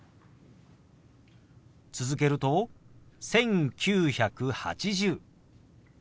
続けると「１９８０」。